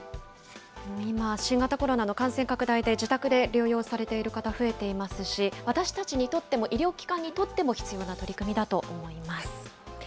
今、新型コロナの感染拡大で、自宅で療養されている方、増えていますし、私たちにとっても、医療機関にとっても必要な取り組みだと思います。